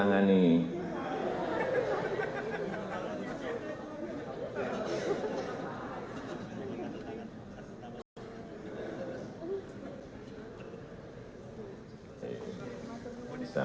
yang satu satunya adres ya